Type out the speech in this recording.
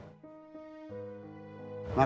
tidak ada ide